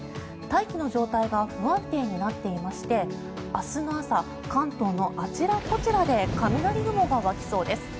大気の状態が不安定になっていまして明日の朝関東のあちらこちらで雷雲が湧きそうです。